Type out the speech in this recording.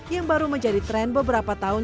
yang baru menjadi tren beberapa tahun